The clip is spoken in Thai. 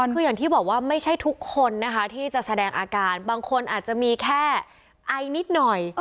คืออย่างที่บอกว่าไม่ใช่ทุกคนนะคะที่จะแสดงอาการบางคนอาจจะมีแค่ไอนิดหน่อย